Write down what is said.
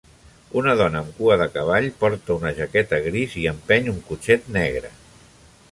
Una dona amb cua de cavall porta una jaqueta gris i empeny un cotxet negre.